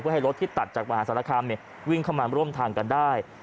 ให้รถที่ตัดจากมหาศาลคามวิ่งเข้ามาร่วมทางกันได้